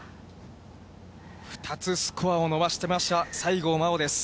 ２つスコアを伸ばしてました、西郷真央です。